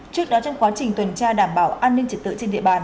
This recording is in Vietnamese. trước đó trong quá trình tuần tra đảm bảo an ninh trật tự trên địa bàn